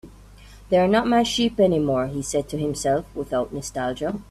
"They're not my sheep anymore," he said to himself, without nostalgia.